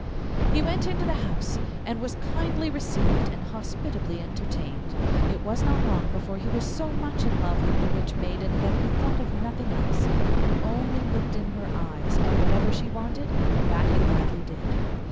He went into the house, and was kindly received and hospitably entertained. It was not long before he was so much in love with the witch maiden that he thought of nothing else, and only looked in her eyes, and whatever she wanted, that he gladly did.